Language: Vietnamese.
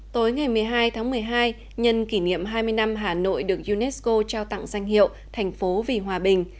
tối ngày một mươi hai tháng một mươi hai nhân kỷ niệm hai mươi năm hà nội được unesco trao tặng danh hiệu thành phố vì hòa bình